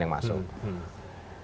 yang bisa masuk